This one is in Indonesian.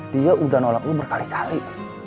dia udah nolak lu berkali kali